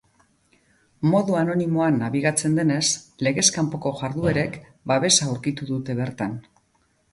Modu anonimoan nabigatzen denez, legez kanpoko jarduerek babesa aurkitu dute bertan.